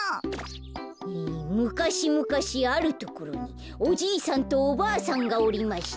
「むかしむかしあるところにおじいさんとおばあさんがおりました。